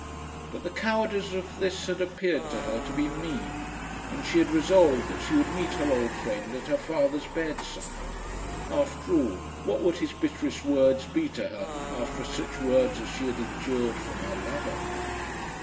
But the cowardice of this had appeared to her to be mean, and she had resolved that she would meet her old friend at her father's bedside. After all, what would his bitterest words be to her after such words as she had endured from her lover?